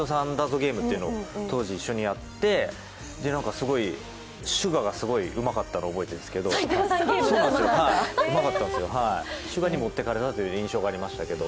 ゲームっていうのを当時、一緒にやってシュガがすごいうまかったのを覚えているんですけど、シュガに持ってかれたという印象がありますけど。